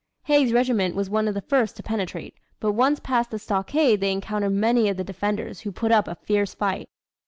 Haig's regiment was one of the first to penetrate, but once past the stockade they encountered many of the defenders who put up a fierce fight.